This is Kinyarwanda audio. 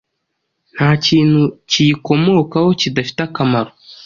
Nta kintu kiyikomokaho kidafite akamaro.